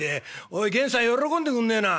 「おい源さん喜んでくんねえな。